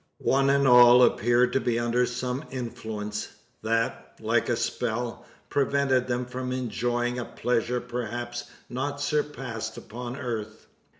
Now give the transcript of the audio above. One and all appeared to be under some influence, that, like a spell, prevented them from enjoying a pleasure perhaps not surpassed upon earth.